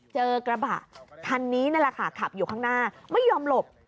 เจอกระบะคันนี้นั่นแหละค่ะขับอยู่ข้างหน้าไม่ยอมหลบ